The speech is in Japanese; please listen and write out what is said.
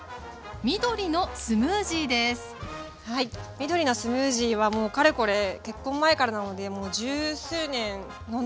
緑のスムージーはもうかれこれ結婚前からなのでもう十数年飲んでいます。